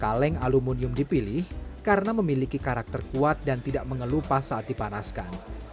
kaleng aluminium dipilih karena memiliki karakter kuat dan tidak mengelupas saat dipanaskan